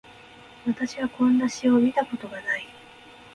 私はこんな詩を見たことがない